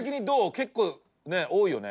結構、多いよね？